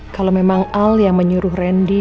kalau memang al yang menyuruh randy